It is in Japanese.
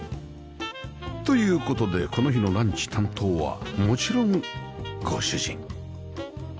という事でこの日のランチ担当はもちろんご主人